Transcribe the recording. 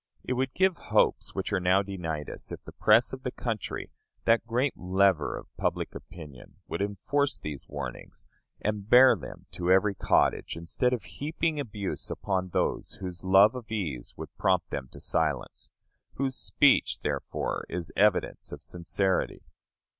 It would give hopes which are now denied us, if the press of the country, that great lever of public opinion, would enforce these warnings, and bear them to every cottage, instead of heaping abuse upon those whose love of ease would prompt them to silence whose speech, therefore, is evidence of sincerity.